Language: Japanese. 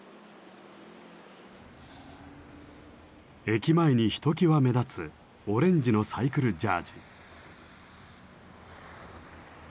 駅前にひときわ目立つオレンジのサイクルジャージ。